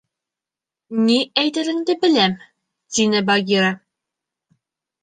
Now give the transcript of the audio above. — Ни әйтереңде беләм, — тине Багира.